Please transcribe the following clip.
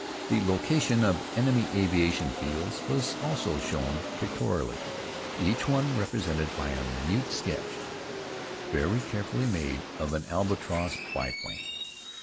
The location of enemy aviation fields was also shown pictorially, each one represented by a minute sketch, very carefully made, of an Albatross biplane.